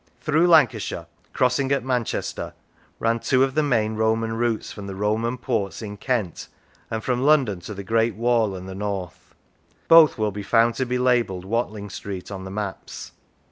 Through Lancashire, crossing at Manchester, ran two of the main Roman routes from the Roman ports in Kent and from London to the Great Wall and the North. Both will be found to be labelled Watling Street on the maps.